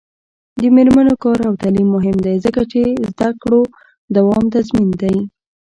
د میرمنو کار او تعلیم مهم دی ځکه چې زدکړو دوام تضمین دی.